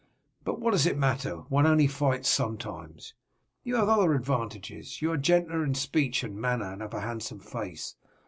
But what does it matter, one only fights sometimes. You have other advantages, you are gentler in speech and manner and have a handsome face.